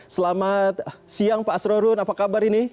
selamat siang pak asrorun apa kabar ini